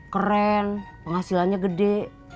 keren penghasilannya gede